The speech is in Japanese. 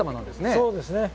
そうですね。